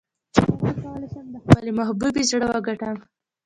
څنګه کولی شم د خپلې محبوبې زړه وګټم